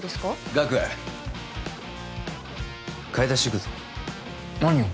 ガク買い出し行くぞ何を？